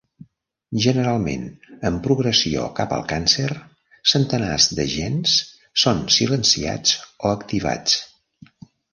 Generalment, en progressió cap al càncer, centenars de gens són silenciats o activats.